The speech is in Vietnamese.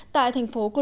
tại thành phố london